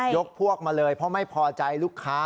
พวกมาเลยเพราะไม่พอใจลูกค้า